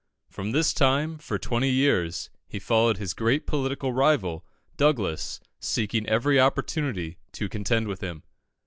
From this time, for twenty years, he followed his great political rival, Douglas, seeking every opportunity to contend with him.